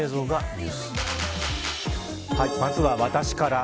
はい、まずは私から。